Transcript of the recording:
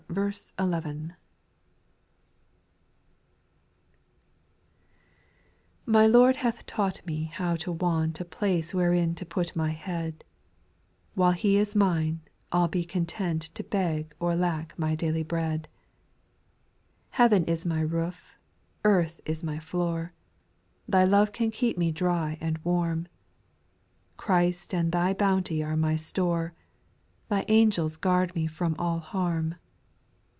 1. IITY Lord hath taught me how to want JjA a place wherein to put my head ; While He is mine, I '11 be content To be^ or lack my daily bread. 2. Heaven is my roof, earth is my floor, Thy love can keep me dry and warm ; Christ and Thy bounty are my store, Thy angels guard me from all harm.